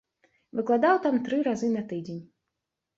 Выкладаў там тры разы на тыдзень.